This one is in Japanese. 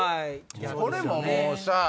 これももうさ